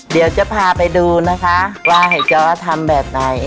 เดี๋ยวจะพาไปดูนะคะว่าเห็ดจ้อทำแบบไหน